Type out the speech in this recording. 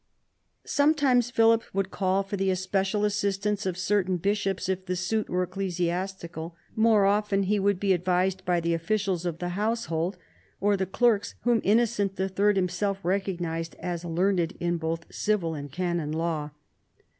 Sometimes Philip would call for the especial assistance of certain bishops, if the suit were ecclesiastical. More often he would be advised by the officials of the household or the clerks whom Innocent III. himself recognised as learned in both civil and canon law.